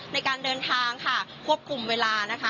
ในการเดินทางค่ะควบคุมเวลานะคะ